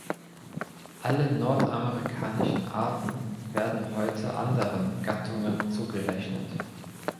Alle nordamerikanischen Arten werden heute anderen Gattungen zugerechnet.